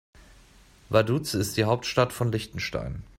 Vaduz ist die Hauptstadt von Liechtenstein.